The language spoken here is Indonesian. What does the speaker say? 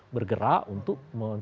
bergerak untuk mencoba